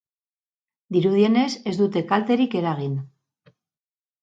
Dirudienez, ez dute kalterik eragin.